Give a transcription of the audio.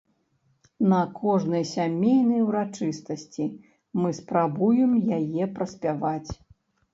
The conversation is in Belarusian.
На кожнай сямейнай урачыстасці мы спрабуем яе праспяваць.